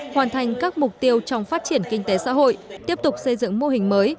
hoàn thành các mục tiêu trong phát triển kinh tế xã hội tiếp tục xây dựng mô hình mới